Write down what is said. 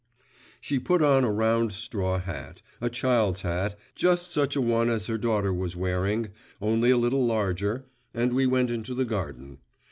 She put on a round straw hat, a child's hat, just such a one as her daughter was wearing, only a little larger, and we went into the garden.